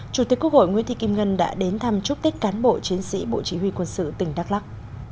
chủ tịch quốc hội nguyễn thị kim ngân đã đến thăm chúc tết cán bộ chiến sĩ bộ chỉ huy quân sự tỉnh đắk lắc